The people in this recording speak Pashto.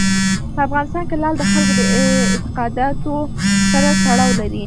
په افغانستان کې لعل د خلکو د اعتقاداتو سره تړاو لري.